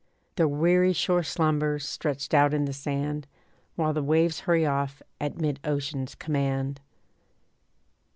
The weary shore slumbers, stretched out in the sand, While the waves hurry off at mid ocean's command.